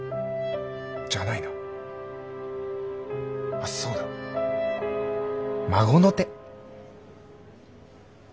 じゃないなあっそうだ孫の手。